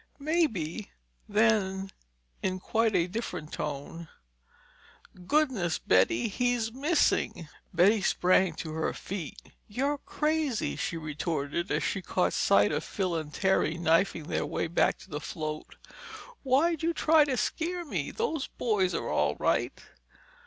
"Maybe!" Then, in quite a different tone: "Goodness, Betty, he's missing!" Betty sprang to her feet. "You're crazy—" she retorted as she caught sight of Phil and Terry knifing their way back to the float. "Why'd you try to scare me? Those boys are all right."